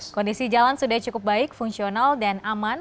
kondisi jalan sudah cukup baik fungsional dan aman